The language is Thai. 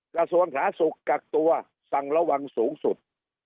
กระทรวงสาธารณสุขกักตัวสั่งระวังสูงสุด